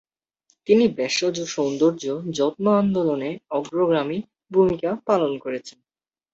তিনি ভেষজ সৌন্দর্য যত্ন আন্দোলনে অগ্রগামী ভূমিকা পালন করেছেন।